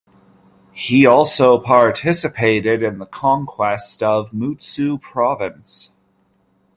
He also participated in the conquest of Mutsu Province.